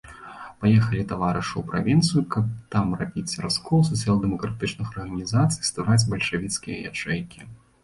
Паехалі таварышы ў правінцыю, каб там рабіць раскол сацыял-дэмакратычных арганізацый і ствараць бальшавіцкія ячэйкі.